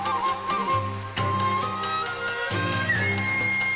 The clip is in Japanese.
うん。